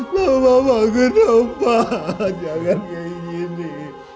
pak aku mau bangun pak jangan kayak gini